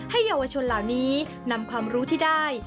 เยาวชนเหล่านี้นำความรู้ที่ได้